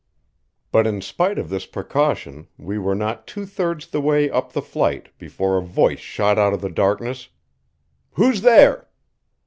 But in spite of this precaution, we were not two thirds the way up the flight before a voice shot out of the darkness. "Who's there?"